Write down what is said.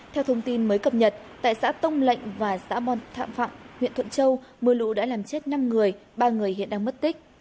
theo thông tin mới cập nhật tại xã tông lệnh và xã bọ phạm huyện thuận châu mưa lũ đã làm chết năm người ba người hiện đang mất tích